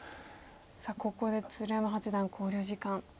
さあここで鶴山八段考慮時間ですね。